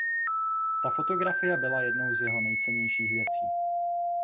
Ta fotografie byla jednou z jeho nejcennějších věcí.